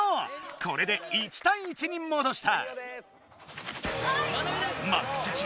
これで１対１にもどした。